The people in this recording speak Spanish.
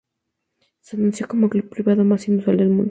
Se anuncia como "el club privado más inusual del mundo".